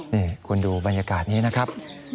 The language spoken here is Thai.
นี่คุณดูบรรยากาศนี้นะครับ